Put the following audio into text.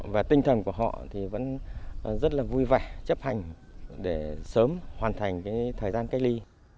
và tinh thần của họ thì vẫn rất là vui vẻ chấp hành để sớm hoàn thành thời gian cách ly